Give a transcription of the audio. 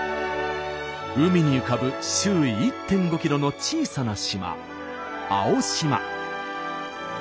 海に浮かぶ周囲１．５ｋｍの小さな島青島。